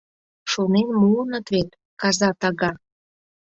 Шонен муыныт вет: каза тага...